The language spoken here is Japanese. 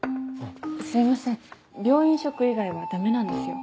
すいません病院食以外はダメなんですよ。